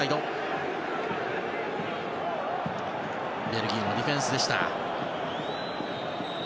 ベルギーのディフェンスでした。